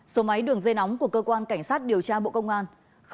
số máy đường dây nóng của cơ quan cảnh sát điều tra bộ công an